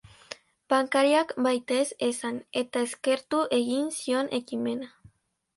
Bankariak baietz esan, eta eskertu egin zion ekimena.